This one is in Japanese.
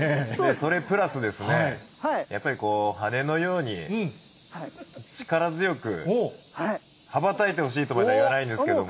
それプラスですね、やっぱり羽のように、力強く、羽ばたいてほしいとまでは言わないんですけれども。